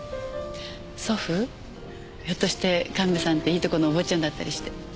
ひょっとして神戸さんっていいとこのお坊ちゃんだったりして。